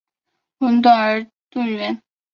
吻短而钝圆。